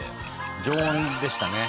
常温でしたね。